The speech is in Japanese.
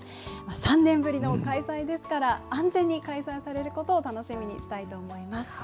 ３年ぶりの開催ですから、安全に開催されることを楽しみにしたいと思います。